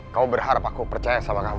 kamu berharap aku percaya sama kamu